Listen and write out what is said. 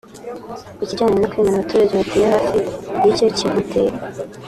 Ku kijyanye no kwimura abaturage batuye hafi y’icyo kimpoteri